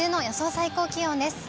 最高気温です。